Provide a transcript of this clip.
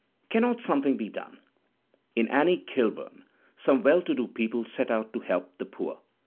Cannot something be done?" In A nnie Kilbum " some well to do people set out to "help" the poor.